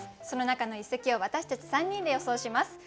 その中の一席を私たち３人で予想します。